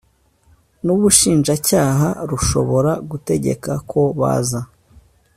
n ubushinjacyaha rushobora gutegeka ko baza